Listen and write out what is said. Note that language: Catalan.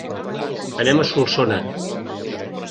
Anem a Solsona.